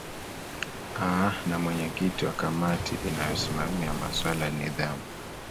aa na mwenyekiti wa kamati inayosimamia masuala ya nidhamu